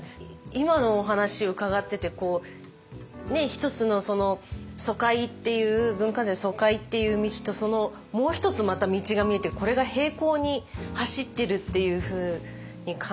今のお話伺ってて一つの疎開っていう文化財の疎開っていう道ともう一つまた道が見えてこれが並行に走ってるっていうふうに感じて。